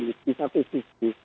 di satu sisi